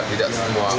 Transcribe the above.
otoritas jasa keuangan